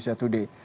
selamat pagi dok